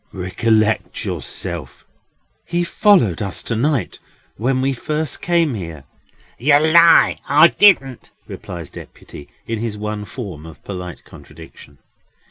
"Recollect yourself." "He followed us to night, when we first came here!" "Yer lie, I didn't!" replies Deputy, in his one form of polite contradiction.